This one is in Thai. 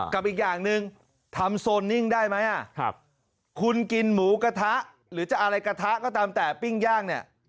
กับอีกอย่างหนึ่งทำโซนนิ่งได้ไหมคุณกินหมูกระทะหรือจะอะไรกระทะก็ตามแต่ปิ้งย่างเนี่ย